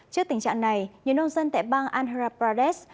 trước tình trạng này nhiều nông dân tại bang andhra pradesh